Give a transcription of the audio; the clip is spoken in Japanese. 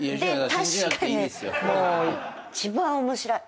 確かに一番面白い。